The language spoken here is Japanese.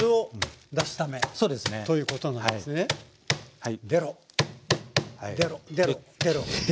はい。